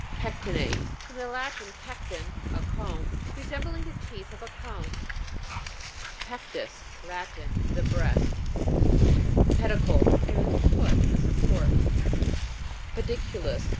PEC'TINATE. From the Latin, pecten, a comb. Resembling the teeth of a comb. PEC'TUS. Latin. The breast. PED'ICLE. A little foot : a support. PEDI'CULUS.